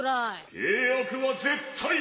・契約は絶対だ！